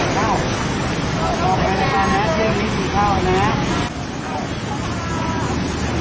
ขอบคุณครับขอบคุณครับ